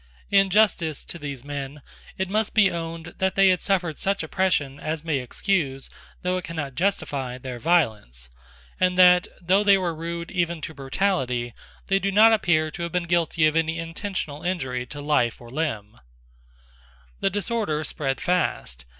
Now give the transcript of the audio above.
In justice to these men it must be owned that they had suffered such oppression as may excuse, though it cannot justify, their violence; and that, though they were rude even to brutality, they do not appear to have been guilty of any intentional injury to life or limb, The disorder spread fast.